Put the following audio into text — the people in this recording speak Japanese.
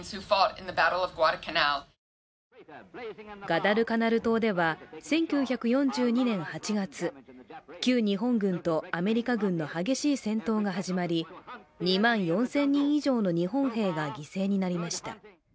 ガダルカナル島では１９４２年８月、旧日本軍とアメリカ軍の激しい戦闘が始まり、２万４０００人以上の日本兵が犠牲になりました。